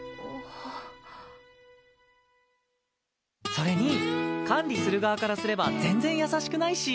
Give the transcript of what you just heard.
それに管理する側からすれば全然優しくないし。